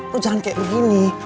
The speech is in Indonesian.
lo jangan kayak begini